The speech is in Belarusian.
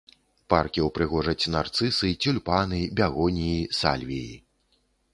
Паркі ўпрыгожаць нарцысы, цюльпаны, бягоніі, сальвіі.